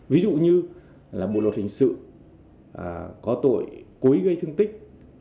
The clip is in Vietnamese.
ví dụ như là bộ luật hình sự có tội cố ý gây thương tích